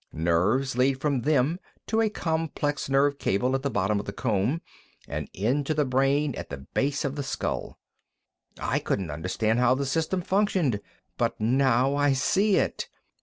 Nerves lead from them to a complex nerve cable at the bottom of the comb and into the brain at the base of the skull. I couldn't understand how the system functioned, but now I see it.